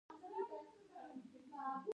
د اسلام او ایمان هیواد.